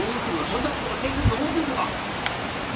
そんなことができると思てんのか！」。